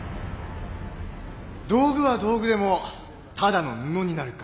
道具は道具でもただの布になるか